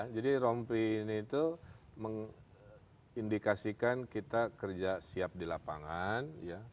jadi rompi ini itu mengindikasikan kita kerja siap di lapangan